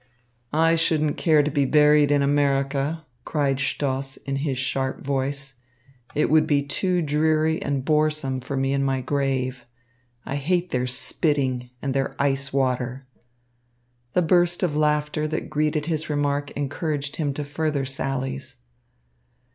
"I shouldn't care to be buried in America," cried Stoss, in his sharp voice. "It would be too dreary and boresome for me in my grave. I hate their spitting and their ice water." The burst of laughter that greeted his remark encouraged him to further sallies.